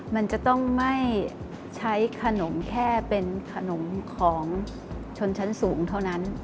มันจะต้องไม่ใช้ขนมแค่เป็นขนมของชนชั้นสูงเท่านั้น